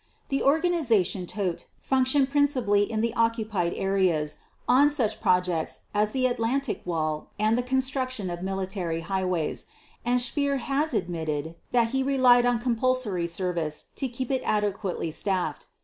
The Organization Todt functioned principally in the occupied areas on such projects as the Atlantic Wall and the construction of military highways, and Speer has admitted that he relied on compulsory service to keep it adequately staffed.